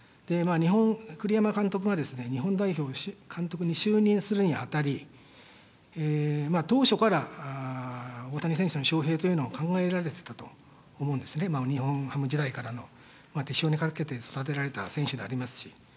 栗山監督が日本代表監督に就任するにあたり、当初から大谷選手の招へいというのを考えられてたと思うんですね、日本ハム時代からの、手塩にかけて育てられた選手でありますし。